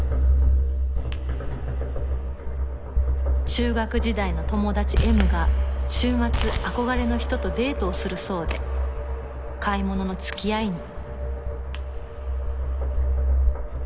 「中学時代の友だち Ｍ が週末憧れの人とデートをするそうで買い物の付き合いに」